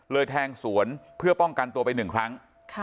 แทงสวนเพื่อป้องกันตัวไปหนึ่งครั้ง